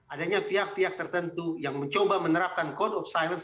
adanya pihak pihak tertentu yang mencoba menerapkan code of silence